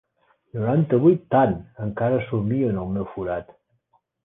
Noranta-vuit tant, encara somio en el meu forat.